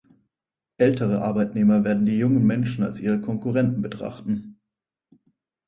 Ältere Arbeitnehmer werden die jungen Menschen als ihre Konkurrenten betrachten.